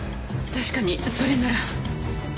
確かにそれなら。